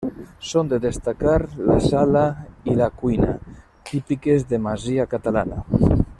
Són de destacar la sala i la cuina, típiques de masia catalana.